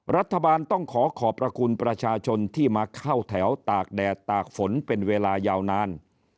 รัฐบาลต้องขอขอบพระคุณประชาชนที่มาเข้าแถวตากแดดตากฝนเป็นเวลายาวนาน